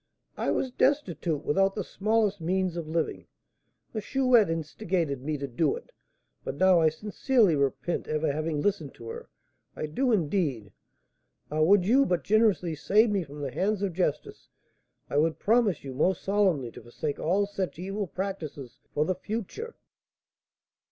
"I was destitute, without the smallest means of living, the Chouette instigated me to do it; but now I sincerely repent ever having listened to her. I do, indeed. Ah! would you but generously save me from the hands of justice, I would promise you most solemnly to forsake all such evil practices for the future."